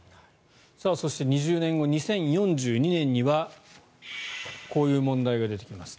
そして、２０年後２０４２年にはこういう問題が出てきます。